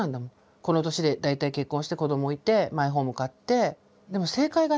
この年で大体結婚して子どもいてマイホーム買って。